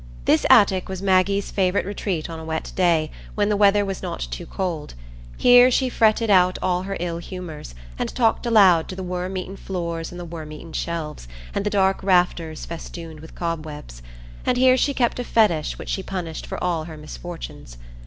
This attic was Maggie's favourite retreat on a wet day, when the weather was not too cold; here she fretted out all her ill humours, and talked aloud to the worm eaten floors and the worm eaten shelves, and the dark rafters festooned with cobwebs; and here she kept a Fetish which she punished for all her misfortunes.